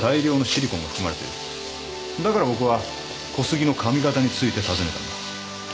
だから僕は小杉の髪形について尋ねたんだ。